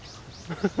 ハハハハ。